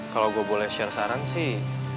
kalau gue boleh share saran sih